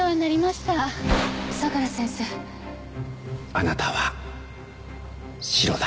あなたはシロだ。